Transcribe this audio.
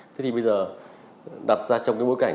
thế thì bây giờ đặt ra trong cái bối cảnh